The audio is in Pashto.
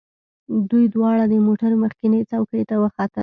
دوی دواړه د موټر مخکینۍ څوکۍ ته وختل